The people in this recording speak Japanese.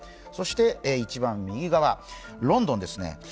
そして一番右側、ロンドンですね。